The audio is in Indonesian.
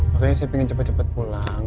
makanya saya pengen cepet cepet pulang